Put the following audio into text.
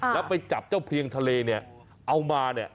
แล้วไปจับเจ้าเพียงทะเลเนี่ยเอามาเนี่ย